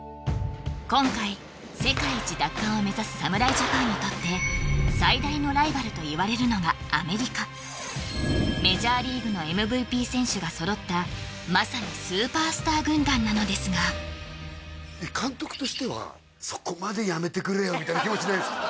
今回世界一奪還を目指す侍ジャパンにとって最大のライバルといわれるのがアメリカメジャーリーグのＭＶＰ選手が揃ったまさにスーパースター軍団なのですが監督としてはそこまでやめてくれよみたいな気持ちないんですか？